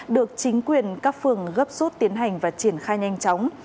được chính quyền các phường gấp rút tiến hành và triển khai nhanh chóng